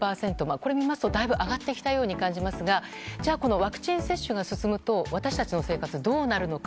これを見ますとだいぶ上がってきたように感じますがじゃあ、ワクチン接種が進むと私たちの生活はどうなるのか。